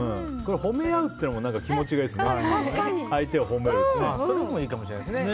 褒め合うっていうのも何か気持ちがいいですね。